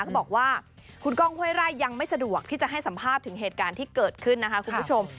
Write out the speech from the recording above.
เขาบอกว่าคุณก้องห้วยไร่ยังไม่สะดวกที่จะให้สัมภาษณ์ถึงเหตุการณ์ที่เกิดขึ้นนะคะคุณผู้ชม